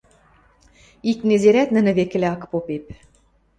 Ик незерӓт нӹнӹ векӹлӓ ак попеп...